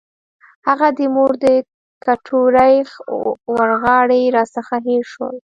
هغه د مور د کټوۍ ورخاړي راڅخه هېر شول.